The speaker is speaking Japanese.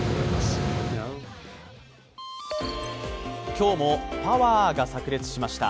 今日もパワーがさく裂しました。